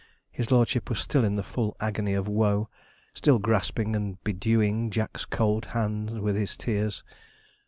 His lordship was still in the full agony of woe; still grasping and bedewing Jack's cold hand with his tears.